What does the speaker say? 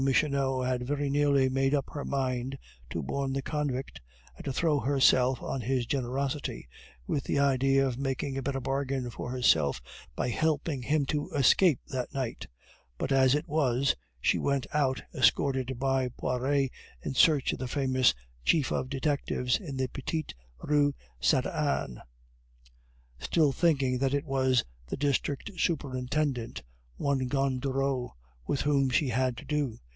Michonneau had very nearly made up her mind to warn the convict and to throw herself on his generosity, with the idea of making a better bargain for herself by helping him to escape that night; but as it was, she went out escorted by Poiret in search of the famous chief of detectives in the Petite Rue Saint Anne, still thinking that it was the district superintendent one Gondureau with whom she had to do.